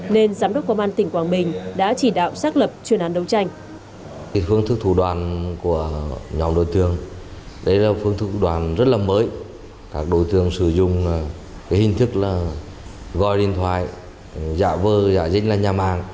nên giám đốc công an tỉnh quang bình đã chỉ đạo xác lập truyền án đấu tranh